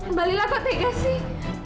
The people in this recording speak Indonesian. mbak lila kok tegas sih